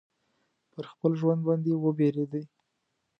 پر خپل ژوند باندي وبېرېدی.